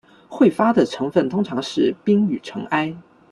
彗发的成分通常是冰与尘埃。